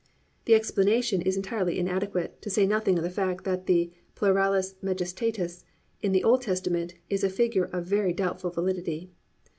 The explanation is entirely inadequate, to say nothing of the fact that the pluralis majestatis in the Old Testament is a figure of very doubtful validity.